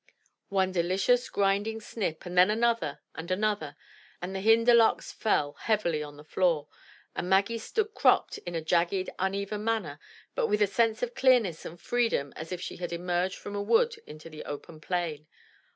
One delicious grinding snip and then another and another, and the hinder locks fell heavily on the floor, and Maggie stood cropped in a jagged uneven manner but with a sense of clearness and freedom as if she had emerged from a wood into the open plain.